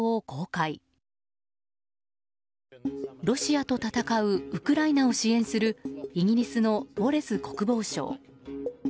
ロシアと戦うウクライナを支援するイギリスのウォレス国防相。